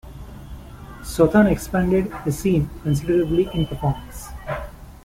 Sothern expanded the scene considerably in performance.